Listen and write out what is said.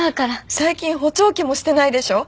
最近補聴器もしてないでしょ？